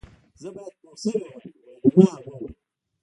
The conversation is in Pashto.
زه باید پوه شوې وای ویلما وویل